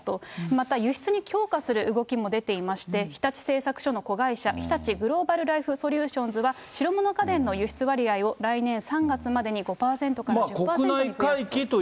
また輸出に強化する動きも出ていまして、日立製作所の子会社、日立グローバルライフソリューションズは白物家電の輸出割合を来年３月までに５％から１０％にすると。